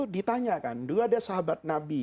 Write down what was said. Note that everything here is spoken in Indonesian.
ditanyakan dulu ada sahabat nabi